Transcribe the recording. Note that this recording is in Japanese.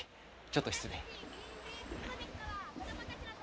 ちょっと失礼。